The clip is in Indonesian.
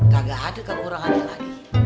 kagak ada kekurangannya lagi